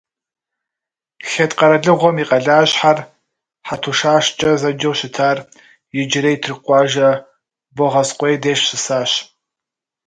Хетт къэралыгъуэм и къалащхьэр, Хьэтушашкӏэ зэджэу щытар, иджырей тырку къуажэ Богъазкъуей деж щысащ.